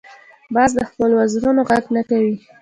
باز د خپلو وزرونو غږ نه کوي